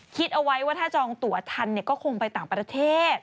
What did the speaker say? คิดเอาไว้ว่าถ้าจองตัวทันก็คงไปต่างประเทศ